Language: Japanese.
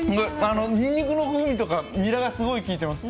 にんにくの風味とかにらがすごく効いてます。